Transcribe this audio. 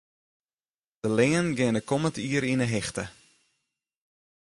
De leanen geane kommend jier yn 'e hichte.